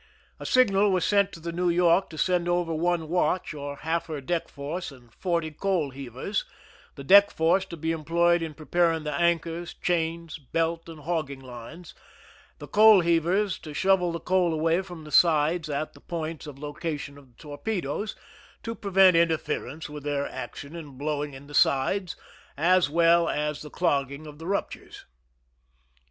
A signal was sent to the New York to send over one watch, or half her deck force, and forty coal heavers, the deck force to be employed in preparing the anchors, chains, belt and hogging lines, the coal heavers to shovel the coal away from the sides at the points of loca tion of the torpedoes, to prevent interference with their action in blowing in the sides as well as the clogging of the ruptures.